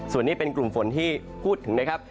ส่วนนี้เป็นกลุ่มฝนที่พูดถึงนะครับ